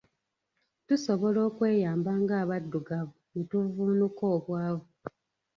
Tusobola okweyamba nga abaddugavu ne tuvvuunuka obwavu.